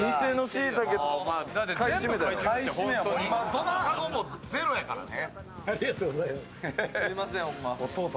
どのかごもゼロやからね。